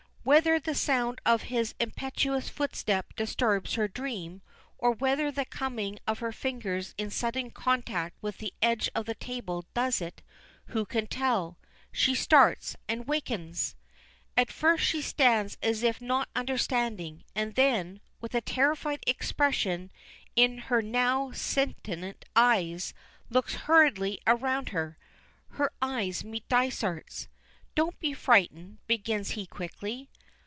Whether the sound of his impetuous footstep disturbs her dream, or whether the coming of her fingers in sudden contact with the edge of the table does it, who can tell; she starts and wakens. At first she stands as if not understanding, and then, with a terrified expression in her now sentient eyes, looks hurriedly around her. Her eyes meet Dysart's. "Don't be frightened," begins he quickly.